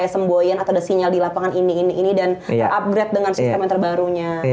ada kayak semboyan atau ada sinyal di lapangan ini ini ini dan terupgrade dengan sistem yang terbarunya